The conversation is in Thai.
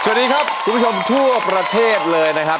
สวัสดีครับคุณผู้ชมทั่วประเทศเลยนะครับ